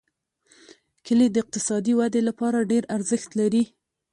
کلي د اقتصادي ودې لپاره ډېر ارزښت لري.